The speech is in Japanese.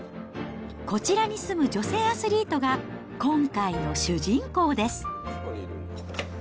こちらに住む女性アスリートが、今回の主人公です。